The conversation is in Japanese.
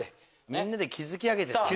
みんなで築き上げていく。